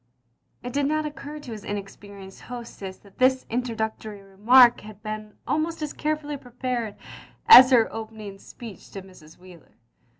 " It did not occtir to his inexperienced hostess that this introductory remark had been almost as carefully prepared as her own opening speech to Mrs. Wheler.